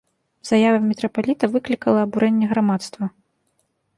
Заява мітрапаліта выклікала абурэнне грамадства.